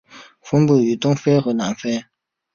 分布于东非和南非。